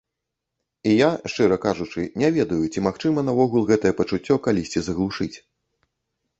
І я, шчыра кажучы, не ведаю, ці магчыма наогул гэтае пачуццё калісьці заглушыць.